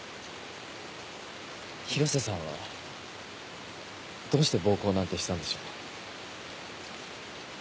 広瀬さんはどうして暴行なんてしたんでしょうか？